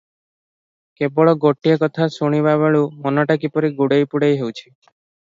କେବଳ ଗୋଟାଏ କଥା ଶୁଣିବାବେଳୁଁ ମନଟା କିପରି ଗୁଡ଼େଇପୁଡ଼େଇ ହେଉଛି ।